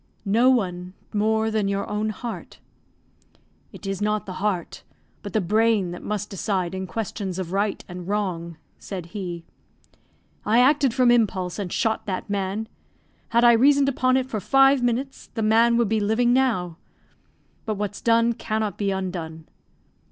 "No one more than your own heart." "It is not the heart, but the brain, that must decide in questions of right and wrong," said he. "I acted from impulse, and shot that man; had I reasoned upon it for five minutes, the man would be living now. But what's done cannot be undone.